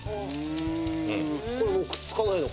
これもくっつかないのか。